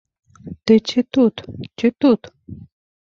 Ты ці тут, ці тут.